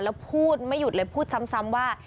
แล้วพูดไม่หยุดเลยพูดซ้ำว่า